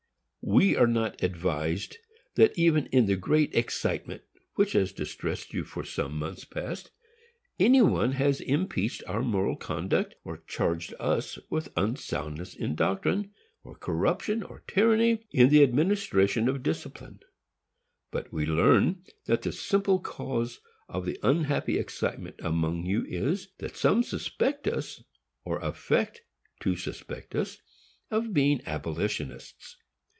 We are not advised that even in the great excitement which has distressed you for some months past, any one has impeached our moral conduct, or charged us with unsoundness in doctrine, or corruption or tyranny in the administration of discipline. But we learn that the simple cause of the unhappy excitement among you is, that some suspect us, or affect to suspect us, of being abolitionists.